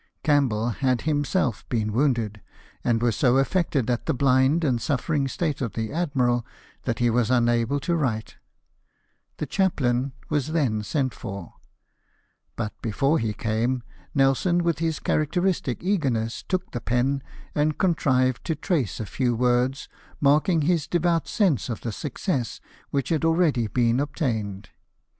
Campbell had him self been wounded ; and was so affected at the blind and suffering state of the admiral that he was unable to write. The chaplain was then sent for ; but before he came. Nelson, with his characteristic eagerness, took the pen, and contrived to trace a few words, marking his devout sense of the success which had already been obtained.